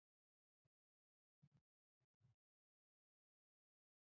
دا خبره مشکوکه ښکاري چې اوغانیانو به بت پرستي کوله.